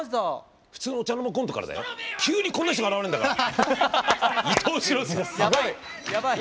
普通のお茶の間コントから急にこんな人が現れるんだから。